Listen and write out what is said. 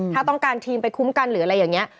ถ้าต้องการทีมไปคุ้มกันหรืออะไรอย่างนี้